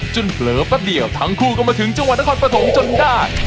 เผลอแป๊บเดียวทั้งคู่ก็มาถึงจังหวัดนครปฐมจนได้